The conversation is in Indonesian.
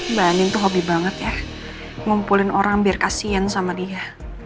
mbak anin tuh hobi banget ya ngumpulin orang biar kasihan sama dia